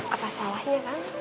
apa salahnya kan